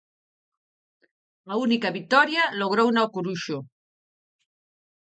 A única vitoria logrouna o Coruxo...